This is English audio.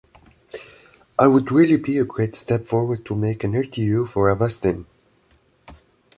I would really be a great step forward to make a RTU for Avastin.